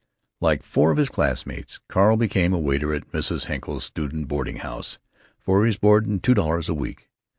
Like four of his classmates, Carl became a waiter at Mrs. Henkel's student boarding house, for his board and two dollars a week.